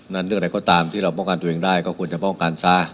เรื่องอะไรก็ตามที่เราป้องกันตัวเองได้ก็ควรจะป้องกันซะ